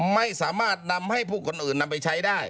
ไม่สามารถนำให้ผู้คนอื่นนำไปใช้ได้